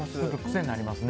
癖になりますね。